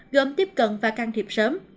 gồm tiếp cận và can thiệp sớm